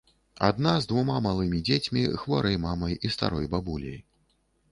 Адна з двума малымі дзецьмі, хворай мамай і старой бабуляй.